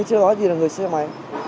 chưa có gì là người xe máy